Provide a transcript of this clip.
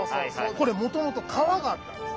これもともと川があったんです。